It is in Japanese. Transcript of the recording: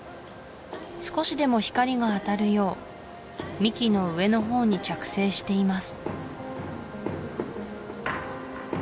少しでも光が当たるよう幹の上のほうに着生しています